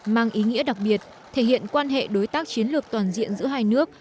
mang ý nghĩa đặc biệt thể hiện quan hệ đối tác chiến lược toàn diện giữa hai nước